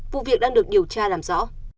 vụ việc đang được điều tra làm rõ